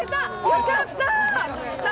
よかった！